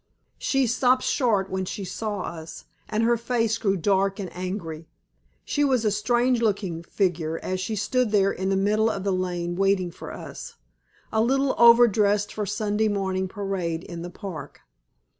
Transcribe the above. She stopped short when she saw us, and her face grew dark and angry. She was a strange looking figure as she stood there in the middle of the lane waiting for us a little over dressed for Sunday morning parade in the Park.